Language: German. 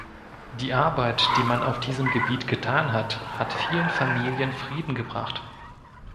Die Arbeit, die man auf diesem Gebiet getan hat, hat vielen Familien Frieden gebracht.